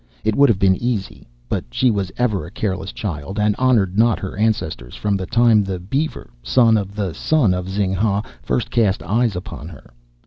It would have been easy. But she was ever a careless child, and honored not her ancestors from the time the Beaver, son of the son of Zing ha, first cast eyes upon her.